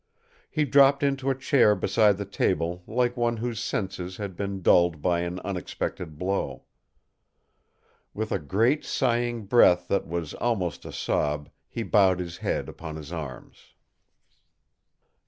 He dropped into a chair beside the table like one whose senses had been dulled by an unexpected blow. With a great sighing breath that was almost a sob, he bowed his head upon his arms.